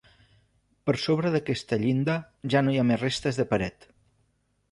Per sobre d'aquesta llinda ja no hi ha més restes de paret.